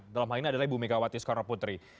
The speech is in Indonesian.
dalam hal ini adalah ibu mika wati skoroputri